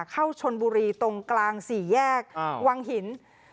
เข้าชนบุรีตรงกลางสี่แยกวังหิน